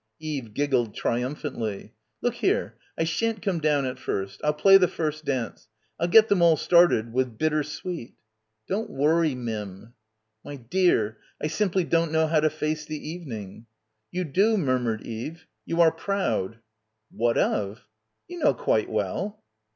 Eve giggled triumphantly. "Look here. I shan't come down at first. Pll play the first dance. Pll get them all started with 'Bitter Sweet.' " "Don't worry, Mim." "My dear, I simply don't know how to face the evening." "You do," murmured Eve. "You are proud." "What of?" "You know quite well."